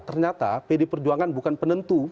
ternyata pdip bukan penentu